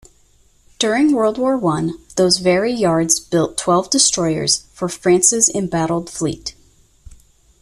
During World War One, those very yards built twelve destroyers for France's embattled fleet.